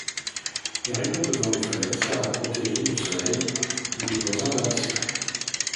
Les rideaux devant les fenêtres servent à protéger du soleil ou des voisins indiscrets.